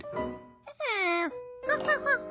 エハハハハ。